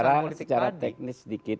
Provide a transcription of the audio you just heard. kita bicara secara teknis sedikit